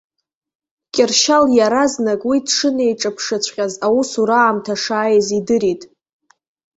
Кьыршьал иаразнак, уи дшынеиҿаԥшыҵәҟьаз, аусура аамҭа шааиз идырит.